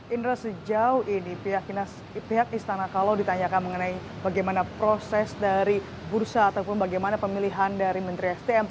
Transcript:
indra sejauh ini pihak istana kalau ditanyakan mengenai bagaimana proses dari bursa ataupun bagaimana pemilihan dari menteri sdm